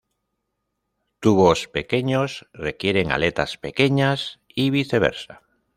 Tubos pequeños requieren aletas pequeñas y viceversa.